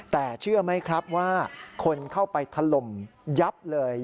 แต่เชื่อไหมครับว่าคนเข้าไปถล่มยับเลย